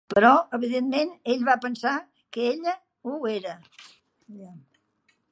Però, evidentment, ell va pensar que ella ho era.